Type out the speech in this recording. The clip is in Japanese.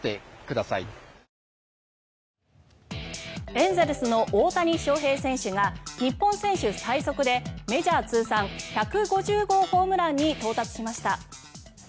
エンゼルスの大谷翔平選手が日本選手最速でメジャー通算１５０号ホームランに到達しました。